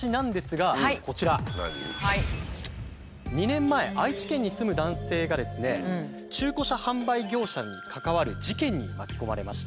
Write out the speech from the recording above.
２年前愛知県に住む男性がですね中古車販売業者に関わる事件に巻き込まれました。